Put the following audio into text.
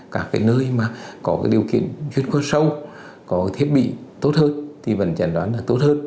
các cái nơi mà có cái điều kiện chuyên khoa sâu có thiết bị tốt hơn thì vẫn chẩn đoán là tốt hơn